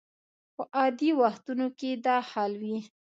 په عادي وختونو کې دا حال وي.